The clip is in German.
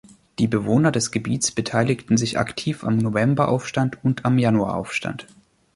Die Bewohner des Gebiets beteiligten sich aktiv am Novemberaufstand und am Januaraufstand.